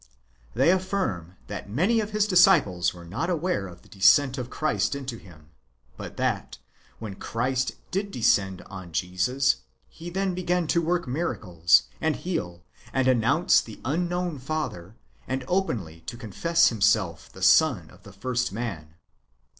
They aflBrm that many of his disciples were not aware of the descent of Christ into him ; but that, when Christ did descend on Jesus, he then began to work miracles, and heal, and announce the unknown Father, and openly to con fess himself the son of the first man.